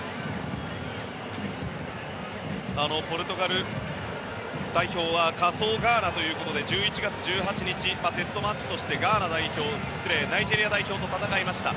ポルトガル代表は仮想ガーナということで１１月１８日テストマッチとしてナイジェリア代表と戦いました。